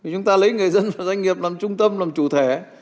chúng ta lấy người dân và doanh nghiệp làm trung tâm làm chủ thể